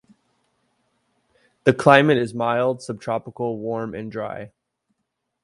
The climate is mild subtropical, warm and dry.